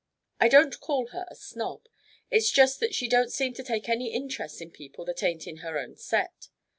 I don't call her a snob; it's just that she don't seem to take any interest in people that ain't in her own set.